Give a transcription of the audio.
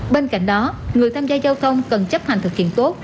bên cạnh đó người tham gia giao thông cần chấp hành thực hiện tốt